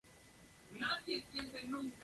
La terminal de almacenamiento está automatizada.